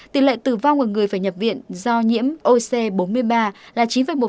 tỷ lệ tử vong của người phải nhập viện do nhiễm oc bốn mươi ba là chín năm